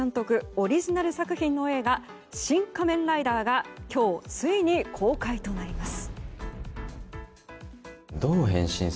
オリジナル作品の映画「シン・仮面ライダー」が今日ついに公開となります。